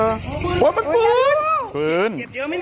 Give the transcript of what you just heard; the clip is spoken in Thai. โหมันฝืน